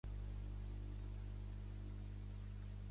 També va marcar una vegada a la Copa de la Lliga contra el Notts County.